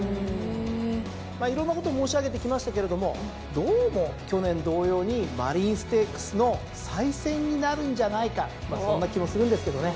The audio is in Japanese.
まあいろんなこと申し上げてきましたけれどもどうも去年同様にマリーンステークスの再戦になるんじゃないかそんな気もするんですけどね。